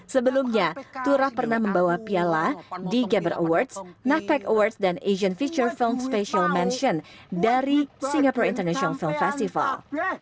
sebelumnya turah pernah membawa piala di gabber awards napec awards dan asian feature film special mansion dari singapore international